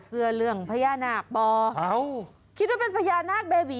รู้มั้ยว่าตัวอะไร